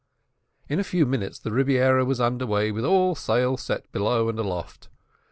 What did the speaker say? In a few minutes the Rebiera was under way with all sail set below and aloft.